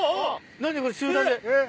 何これ集団で。